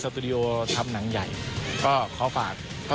ภาพยนตร์เรื่องนี้นะคะคาดว่าจะใช้ระยะเวลาในการถ่ายธรรมประมาณ๒เดือนเสร็จนะคะ